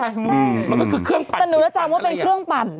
มันก็คือเครื่องปั่นแต่หนูจะจำว่าเป็นเครื่องปั่น